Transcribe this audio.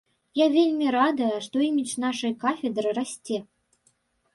Я вельмі радая, што імідж нашай кафедры расце.